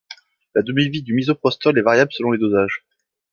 La demi-vie du misoprostol est variable selon les dosages.